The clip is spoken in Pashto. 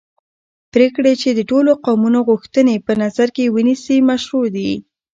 پرېکړې چې د ټولو قومونو غوښتنې په نظر کې ونیسي مشروعې دي